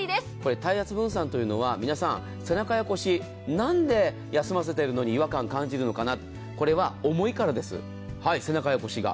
体圧分散というのは皆さん、背中や腰、なんで休ませてるのに違和感を感じているのかな、これは重いからです、背中や腰が。